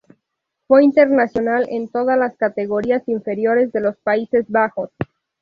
Fue internacional en todas las categorías inferiores de los Países Bajos.